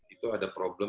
itu ada problem